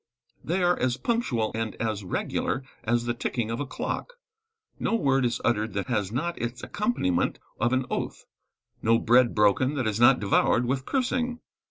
They are as punctual and as regular as the ticking of a clock. No word is uttered that has not its accompaniment of an oath; no bread broken that is not devoured with cursing.